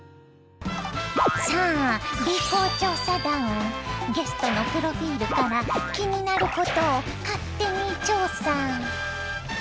さあＢ公調査団ゲストのプロフィールから気になることを勝手に調査。